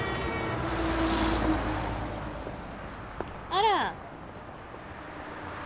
あら。